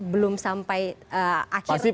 belum sampai akhir